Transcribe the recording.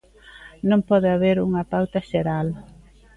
Non pode haber unha pauta xeral.